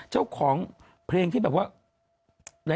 เจ้าของเพลงที่แบบว่า